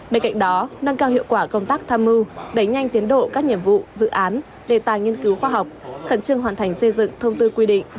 bên cạnh đó nâng cao hiệu quả công tác tham mưu đẩy nhanh tiến độ các nhiệm vụ dự án đề tài nghiên cứu khoa học khẩn trương hoàn thành xây dựng thông tư quy định